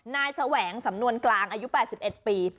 แสวงสำนวนกลางอายุ๘๑ปี